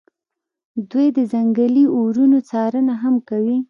دوی د ځنګلي اورونو څارنه هم کوي